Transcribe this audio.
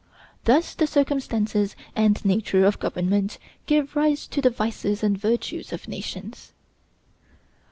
Thus the circumstances and nature of government give rise to the vices and virtues of nations.